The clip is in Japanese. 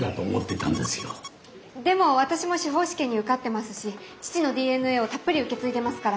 でも私も司法試験に受かってますし父のＤＮＡをたっぷり受け継いでますから。